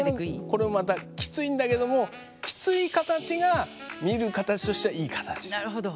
これもまたキツいんだけどもキツい形が見る形としてはいい形。なるほど。